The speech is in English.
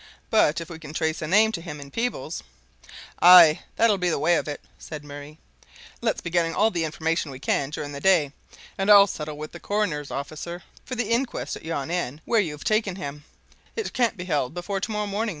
But if we can trace a name to him in Peebles " "Aye, that'll be the way of it," said Murray. "Let's be getting all the information we can during the day, and I'll settle with the coroner's officer for the inquest at yon inn where you've taken him it can't be held before tomorrow morning.